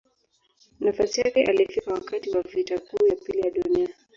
Nafasi yake alifika wakati wa Vita Kuu ya Pili ya Dunia.